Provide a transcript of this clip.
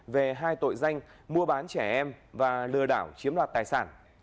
về hai tội danh mua bán trẻ em và lừa đảo chiếm đoạt tài sản